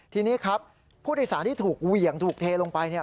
ทีนี้ครับผู้โดยสารที่ถูกเหวี่ยงถูกเทลงไปเนี่ย